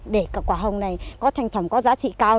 để cả quả hồng này có thành phẩm có giá trị cao